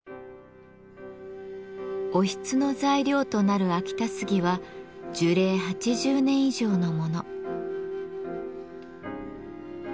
おひつの材料となる秋田杉は樹齢８０年以上のもの。